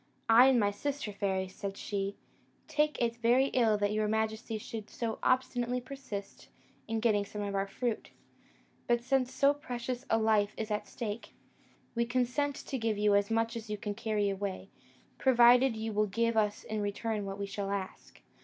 'I and my sister fairies,' said she, 'take it very ill that your majesty should so obstinately persist in getting some of our fruit; but since so precious a life is at stake, we consent to give you as much as you can carry away, provided you will give us in return what we shall ask.'